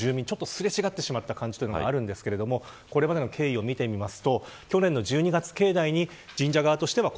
すれ違ってしまった感じはあるんですがこれまでの経緯を見てみます。